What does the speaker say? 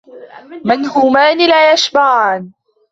مَنْهُومَانِ لَا يَشْبَعَانِ